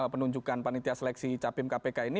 penunjukan panitia seleksi capim kpk ini